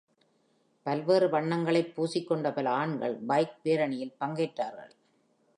பல்வேறு வண்ணங்களைப் பூசிக்கொண்ட பல ஆண்கள் பைக் பேரணியில் பங்கேற்றார்கள்.